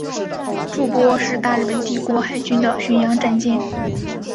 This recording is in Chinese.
筑波是大日本帝国海军的巡洋战舰。